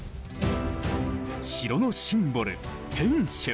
城のシンボル天守。